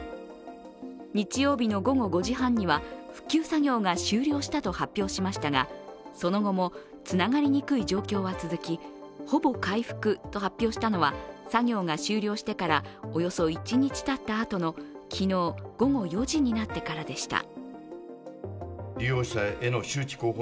日曜日の午後５時半には復旧作業が終了したと発表しましたがその後もつながりにくい状況は続き、ほぼ回復と発表したのは作業が終了してからおよそ一日たってからの昨日午後４時になってからでした。